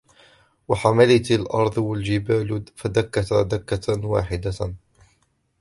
وَحُمِلَتِ الأَرْضُ وَالْجِبَالُ فَدُكَّتَا دَكَّةً وَاحِدَةً